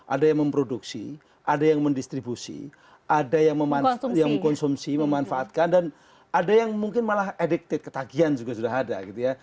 ada yang memproduksi ada yang mendistribusi ada yang mengkonsumsi memanfaatkan dan ada yang mungkin malah addicted ketagihan juga sudah ada gitu ya